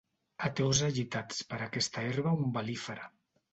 Ateus agitats per aquesta herba umbel·lífera.